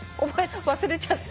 忘れちゃった？